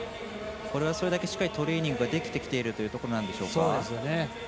それだけ、しっかりトレーニングができてきているということなんでしょうか。